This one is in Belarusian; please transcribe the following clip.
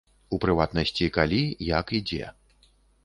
У прыватнасці, калі, як і дзе.